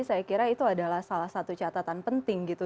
saya kira itu adalah salah satu catatan penting gitu